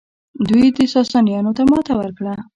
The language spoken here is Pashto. دوی ساسانیانو ته ماتې ورکړه